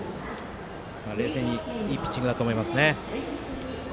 冷静にいいピッチングだと思います。